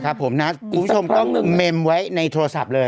ครับผมนะคุณผู้ชมต้องเมมไว้ในโทรศัพท์เลย